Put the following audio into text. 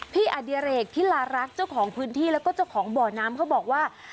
อดิเรกธิลารักษ์เจ้าของพื้นที่แล้วก็เจ้าของบ่อน้ำเขาบอกว่า